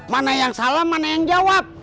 mana yang salah mana yang jawab